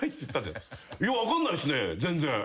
分かんないっすね全然」